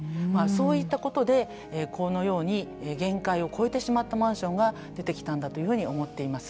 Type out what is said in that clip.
そういったことでこのように、限界を超えてしまったマンションが出てきたんだというふうに思っています。